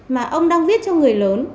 mà ông đang viết cho người lớn